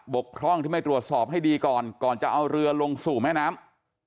กพร่องที่ไม่ตรวจสอบให้ดีก่อนก่อนจะเอาเรือลงสู่แม่น้ำ